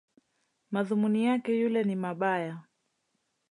Madhumuni yake yule ni mabaya